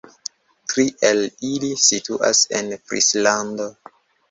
Tri el ili situas en Frislando.